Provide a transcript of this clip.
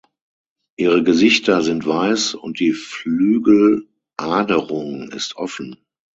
Ihre Gesichter sind weiß und die Flügeladerung ist offen.